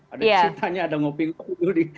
ada ceritanya ada ngopi ngopi dulu